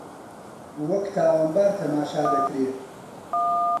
وەک تاوانبار تەماشا دەکرێ